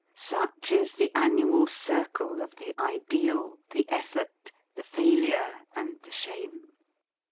Such is the annual circle of the ideal, the effort, the failure and the shame.